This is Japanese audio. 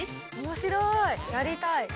面白いやりたい。